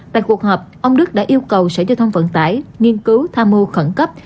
tại cuộc họp ông đức đã yêu cầu sở giao thông vận tải nghiên cứu tham mưu khẩn cấp